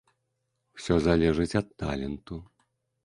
Усё залежыць ад таленту.